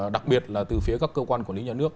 đặc biệt là từ phía các cơ quan quản lý nhà nước